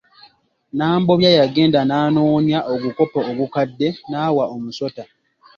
Nambobya yagenda nanoonya ogukopo ogukadde naawa omusota.